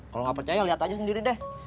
kalo gak percaya lihat aja sendiri deh